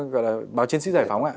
gọi là báo chiến sĩ giải phóng ạ